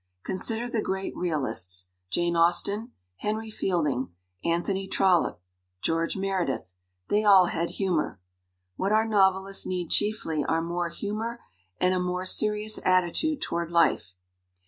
Consider the great realists Jane Austen, Henry Fielding, Anthony Trollope, George Meredith they all had humor. What our novelists need chiefly are more humor and a more serious attitude toward life.